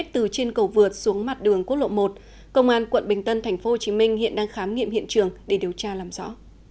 từ trên cầu vượt xuống mặt đường quốc lộ một công an quận bình tân tp hcm hiện đang khám nghiệm hiện trường để điều tra làm rõ